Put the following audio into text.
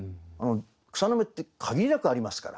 草の芽って限りなくありますから。